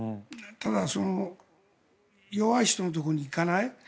ただ弱い人のところに行かない。